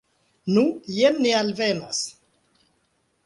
Nu, jen ni alvenas.